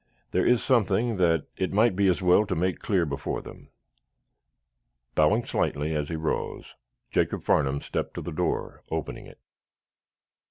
There is something that it might be as well to make clear before them." Bowing slightly, as he rose, Jacob Farnum stepped to the door, opening it.